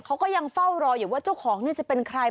เขาก็ยังเฝ้ารออยู่ว่าเจ้าของนี่จะเป็นใคร